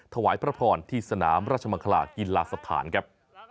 ถวายพระพรที่สนามราชมังคลากีฬาสถานครับ